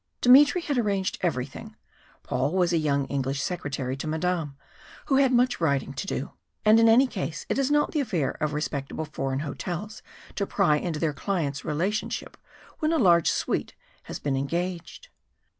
Dmitry had arranged everything. Paul was a young English secretary to Madame, who had much writing to do. And in any case it is not the affair of respectable foreign hotels to pry into their clients' relationship when a large suite has been engaged.